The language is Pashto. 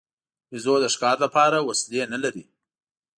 بیزو د ښکار لپاره وسلې نه لري.